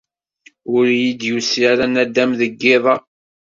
Ur iyi-d-yusi ara naddam deg yiḍ-a.